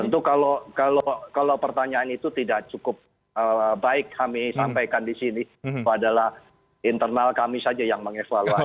tentu kalau pertanyaan itu tidak cukup baik kami sampaikan di sini itu adalah internal kami saja yang mengevaluasi